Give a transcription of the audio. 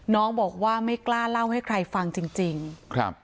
น้องบอกว่าไม่กล้าเล่าให้ใครฟังจริงจริงครับ